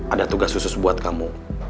ada tugas khusus buat kamu